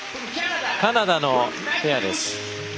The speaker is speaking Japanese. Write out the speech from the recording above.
カナダのペアです。